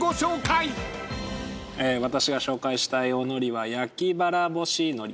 私が紹介したいおのりは。